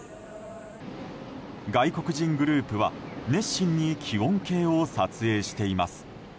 外国人グループは熱心に気温計を撮影しています。